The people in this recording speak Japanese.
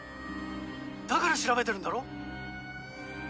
だから調べてるんだろ？